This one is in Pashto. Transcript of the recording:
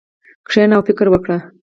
کښېنه او فکر وکړه.